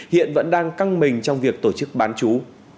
hiện vẫn đang căng mình trong việc tổ chức bán chú